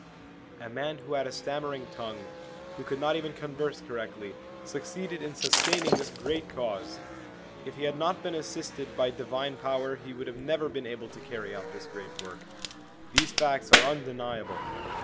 A man who had a stammering tongue, who could not even converse correctly, succeeded in sustaining this great Cause ! If he had not been assisted by divine power he would never have been able to carry out this great work. These facts are undeniable.